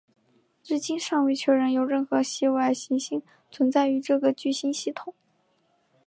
至今尚未确认有任何系外行星存在于这个聚星系统。